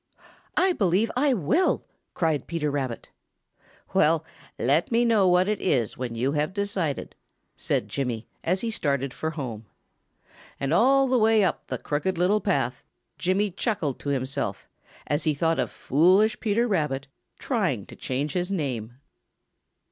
"I believe I will!" cried Peter Rabbit. "Well, let me know what it is when you have decided," said Jimmy, as he started for home. And all the way up the Crooked Little Path, Jimmy chuckled to himself as he thought of foolish Peter Rabbit trying to change his name.